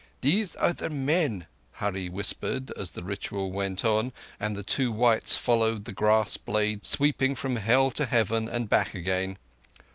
"These are the men," Hurree whispered, as the ritual went on and the two whites followed the grass blade sweeping from Hell to Heaven and back again.